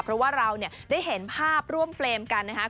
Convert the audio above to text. เพราะว่าเราได้เห็นภาพร่วมเฟรมกันนะครับ